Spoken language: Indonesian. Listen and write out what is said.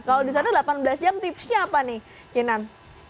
kalau di sana delapan belas jam tipsnya apa nih kinan